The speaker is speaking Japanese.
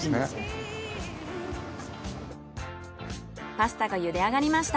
パスタが茹で上がりました。